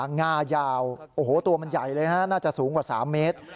น่าจะสูงกว่า๓เมตร